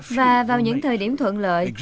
và vào những thời điểm thuận lợi